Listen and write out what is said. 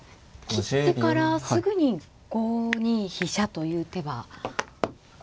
切ってからすぐに５二飛車という手はあるんでしょうか。